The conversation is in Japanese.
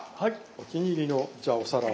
お気に入りのじゃあお皿を。